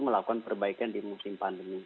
melakukan perbaikan di musim pandemi